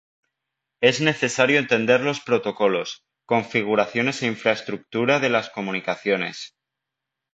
Es necesario entender los protocolos, configuraciones e infraestructura de las comunicaciones.